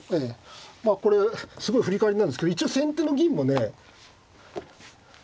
まあこれすごい振りかわりなんですけど一応先手の銀もね。